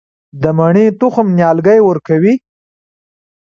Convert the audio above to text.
د مڼې تخم نیالګی ورکوي؟